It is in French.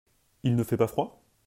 Il ne fait pas froid ?